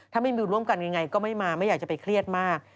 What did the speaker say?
ถ้าไม่บิวร่วมกันยังไงก็ไม่มาไม่อยากจะไปเครียดมาก